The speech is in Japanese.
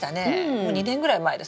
もう２年ぐらい前ですかね？